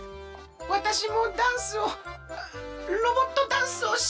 わたしもダンスをロボットダンスをしてみたい。